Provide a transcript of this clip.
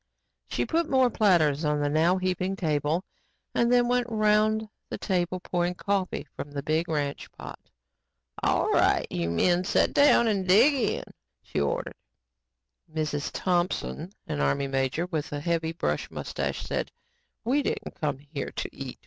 She put more platters on the now heaping table and then went around the table pouring coffee from the big ranch pot. "All right, you men sit down now and dig in," she ordered. "Mrs. Thompson," an Army major with a heavy brush mustache said, "we didn't come here to eat.